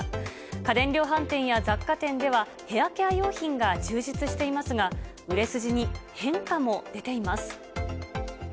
家電量販店や雑貨店では、ヘアケア用品が充実していますが、売れ筋に変化も出ています。